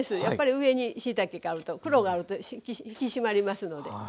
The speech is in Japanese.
やっぱり上にしいたけがあると黒があると引き締まりますので。